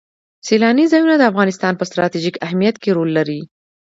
سیلانی ځایونه د افغانستان په ستراتیژیک اهمیت کې رول لري.